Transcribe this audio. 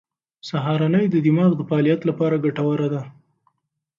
سهارنۍ د دماغ د فعالیت لپاره ګټوره ده.